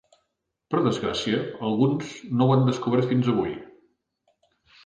Per desgràcia, alguns no ho han descobert fins avui.